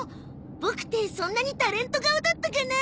ボクってそんなにタレント顔だったかな？